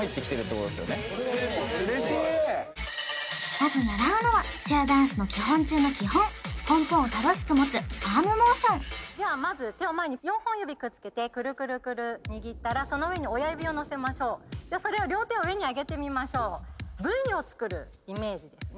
これはうれしいねまず習うのはチアダンスの基本中の基本ポンポンを正しく持つアームモーションではまず手を前に４本指くっつけてクルクルクル握ったらその上に親指をのせましょうじゃあそれを両手を上にあげてみましょうＶを作るイメージですね